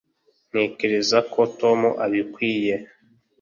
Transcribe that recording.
ntekereza ko tom abikwiye.